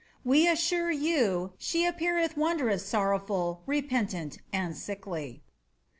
We assure you she appeareth wondroos somnr fnl, repentant, and sickly."